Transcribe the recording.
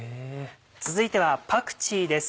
続いてはパクチーです。